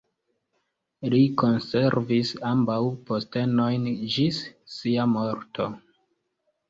Li konservis ambaŭ postenojn ĝis sia morto.